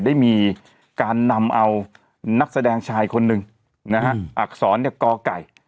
ได้มีการนำเอานักแสดงชายคนหนึ่งนะฮะอักษรเนี่ยกไก่